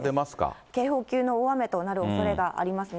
警報級の大雨となるおそれがありますね。